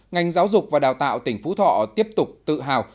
ngành giáo dục và đào tạo tỉnh phú thọ tiếp tục tự hào